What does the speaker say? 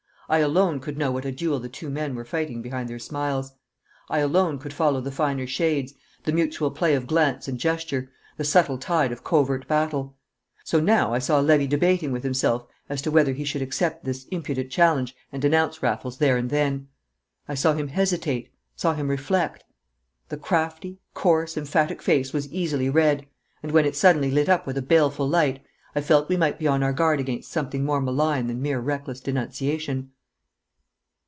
I alone could know what a duel the two men were fighting behind their smiles. I alone could follow the finer shades, the mutual play of glance and gesture, the subtle tide of covert battle. So now I saw Levy debating with himself as to whether he should accept this impudent challenge and denounce Raffles there and then. I saw him hesitate, saw him reflect. The crafty, coarse, emphatic face was easily read; and when it suddenly lit up with a baleful light, I felt we might be on our guard against something more malign than mere reckless denunciation.